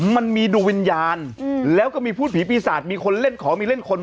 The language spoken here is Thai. มันมีดวงวิญญาณแล้วก็มีพูดผีปีศาจมีคนเล่นขอมีเล่นคน